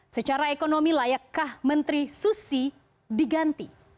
secara ekonomi layakkah menteri susi diganti